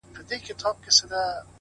نه؛ مزل سخت نه و ـ آسانه و له هري چاري ـ